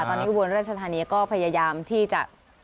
ตอนนี้อุบลราชธานีก็พยายามที่จะ